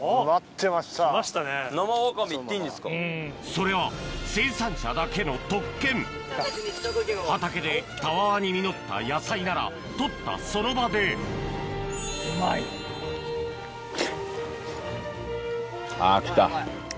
それは生産者だけの特権畑でたわわに実った野菜なら採ったその場であぁきた。